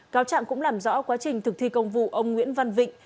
cáo trạng cũng làm rõ quá trình thực thi công vụ ông nguyễn văn vịnh